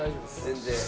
全然。